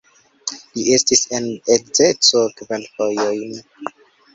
Li estis en edzeco kvar fojojn.